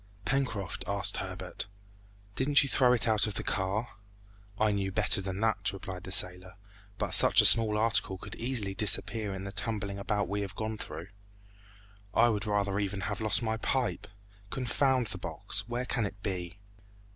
"Pencroft," asked Herbert, "didn't you throw it out of the car?" "I knew better than that," replied the sailor; "but such a small article could easily disappear in the tumbling about we have gone through. I would rather even have lost my pipe! Confound the box! Where can it be?"